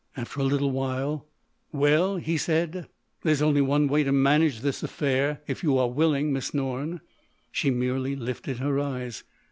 After a little while: "Well," he said, "there's only one way to manage this affair—if you are willing, Miss Norne." She merely lifted her eyes.